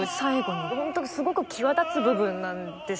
本当にすごく際立つ部分なんです